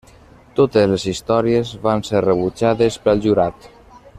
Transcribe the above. Totes les històries van ser rebutjades pel jurat.